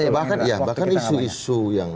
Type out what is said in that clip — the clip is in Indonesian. bahkan isu isu yang